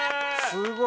すごい。